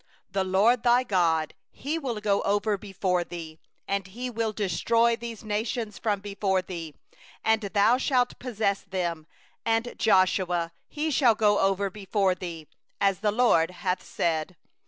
3The LORD thy God, He will go over before thee; He 31 will destroy these nations from before thee, and thou shalt dispossess them; and Joshua, he shall go over before thee, as the LORD hath spoken.